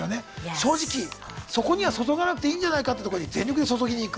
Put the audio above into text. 正直そこには注がなくていいんじゃないかってとこに全力で注ぎに行く。